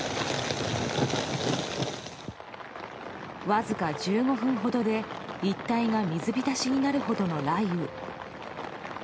わずか１５分ほどで一帯が水浸しになるほどの雷雨。